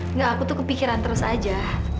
enggak aku tuh kepikiran terus aja